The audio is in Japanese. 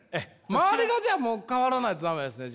周りがじゃあもう変わらないとダメですね。